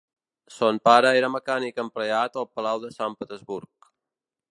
Son pare era mecànic empleat al palau de Sant Petersburg.